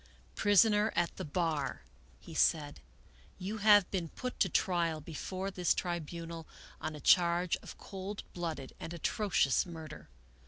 " Prisoner at the bar," he said, " you have been put to trial before this tribunal on a charge of cold blooded and atrocious murder.